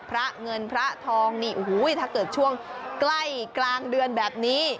พระเงินพระทองนี่โอ้โหถ้าเกิดช่วงใกล้กลางเดือนแบบนี้